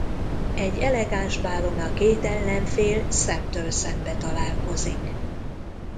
Egy elegáns bálon a két ellenfél szemtől szembe találkozik.